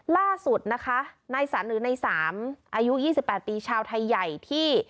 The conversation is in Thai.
ล่าสุดนะคะในสามอายุ๒๘ปีชาวไทยใหญ่ที่